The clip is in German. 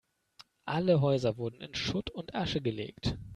Alle Häuser wurden in Schutt und Asche gelegt.